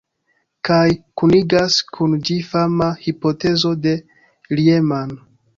Kaj kunigas kun ĝi fama hipotezo de Riemann.